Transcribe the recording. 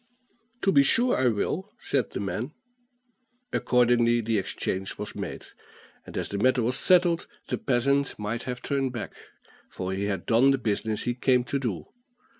"To be sure I will," said the man. Accordingly the exchange was made; and as the matter was settled, the peasant might have turned back; for he had done the business he came to do.